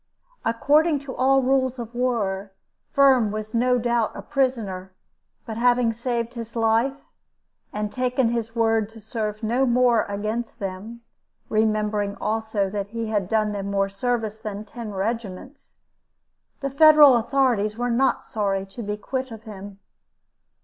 According to all rules of war, Firm was no doubt a prisoner; but having saved his life, and taken his word to serve no more against them, remembering also that he had done them more service than ten regiments, the Federal authorities were not sorry to be quit of him.